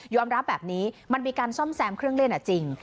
รับแบบนี้มันมีการซ่อมแซมเครื่องเล่นจริง